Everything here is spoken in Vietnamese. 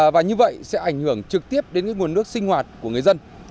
và như vậy sẽ ảnh hưởng trực tiếp đến nguồn nước sinh hoạt của người dân